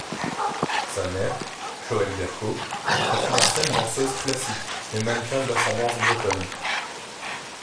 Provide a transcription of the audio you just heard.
Sa mère, Joëlle Bercot, est une ancienne danseuse classique et mannequin d'ascendance bretonne.